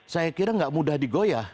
saya kira nggak mudah digoyah